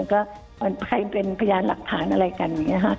ก็ให้เป็นพยานหลักฐานอะไรกันอย่างนี้ค่ะ